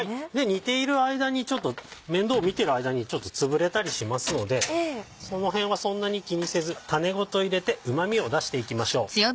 煮ている間にちょっと面倒を見ている間にちょっとつぶれたりしますのでその辺はそんなに気にせず種ごと入れてうま味を出していきましょう。